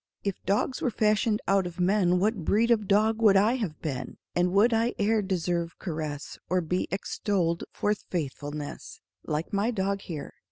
If dogs were fashioned out of men What breed of dog would I have been? And would I e'er deserve caress, Or be extolled for faithfulness Like my dog here?